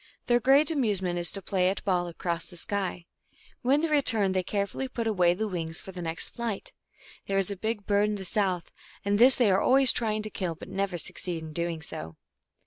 Their great amusement is to play at ball across the sky. 1 When they return they carefully put away their wings for their next flight. There is a big bird in the south, and this they are always trying to kill, but never succeed in doing so.